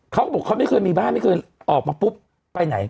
เขาบอกเขาไม่เคยมีบ้านไม่เคยออกมาปุ๊บไปไหน